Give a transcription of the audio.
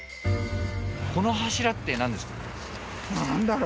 この柱ってなんですか？